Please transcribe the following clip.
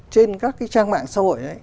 trên các trang mạng xã hội